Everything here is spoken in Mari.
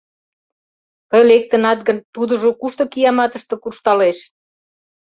— Тый лектынат гын, тудыжо кушто кияматыште куржталеш?